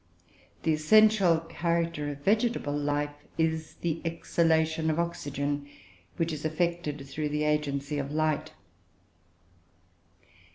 The essential character of vegetable life is the exhalation of oxygen, which is effected through the agency of light.